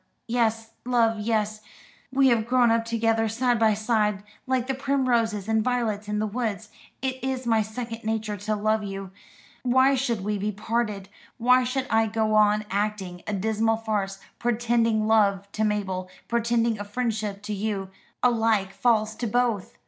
Yes, love, yes: we have grown up together side by side, like the primroses and violets in the woods. It is my second nature to love you. Why should we be parted? Why should I go on acting a dismal farce, pretending love to Mabel, pretending a friendship to you alike false to both?